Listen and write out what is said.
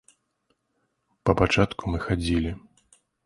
Па пачатку мы хадзілі.